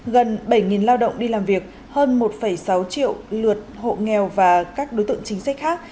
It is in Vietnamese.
gần bảy lao động đi làm việc hơn một sáu triệu lượt hộ nghèo và các đối tượng chính sách khác